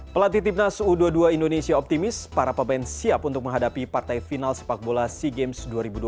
pelatih timnas u dua puluh dua indonesia optimis para pemain siap untuk menghadapi partai final sepak bola sea games dua ribu dua puluh tiga